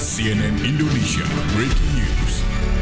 cnn indonesia breaking news